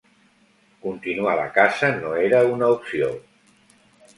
Continua la caça no era una opció.